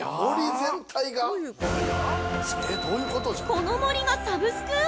◆この森がサブスク？